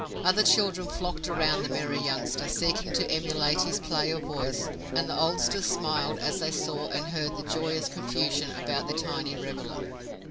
Other children flocked around the merry youngster, seeking to emulate his play of voice and the oldsters smiled as they saw and heard the joyous confusion about the tiny reveler.